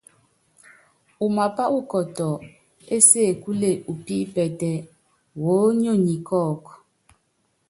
Umapá ukɔtɔ ésekúle upípɛ́tɛ́, wónyonyi kɔ́ɔku.